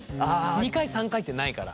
２回３回ってないから。